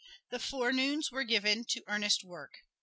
The forenoons were given to earnest work.